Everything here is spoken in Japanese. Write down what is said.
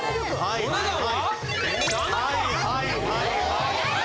お値段は？